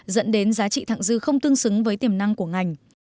dẫn đến giá trị thẳng dư không tương xứng với tiềm năng của ngành